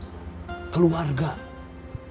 masih menganggap kamu sebagai anak